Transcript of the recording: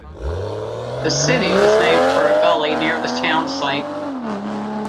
The city was named for a gully near the town site.